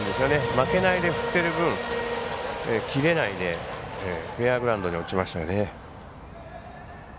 負けないで振ってる分切れないでフェアグラウンドに落ちましたよね。